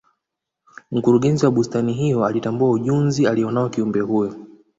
mkurugenzi wa bustani hiyo alitambua ujunzi aliyo nao kiumbe huyo